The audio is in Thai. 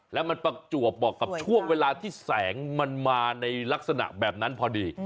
แล้วมันประจวบเหมาะกับช่วงเวลาที่แสงมันมาในลักษณะแบบนั้นพอดี